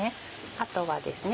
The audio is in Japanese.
あとはですね